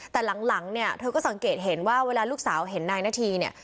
แต่หลังเนี่ยเธอก็สังเกตเห็นว่าเวลาลูกสาวเห็นนายนาธีเนี่ย